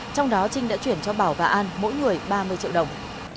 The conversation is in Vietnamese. trong đó trinh đã chuyển cho bảo và an mỗi người ba mươi triệu đồng